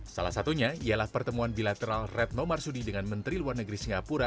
salah satunya ialah pertemuan bilateral retno marsudi dengan menteri luar negeri singapura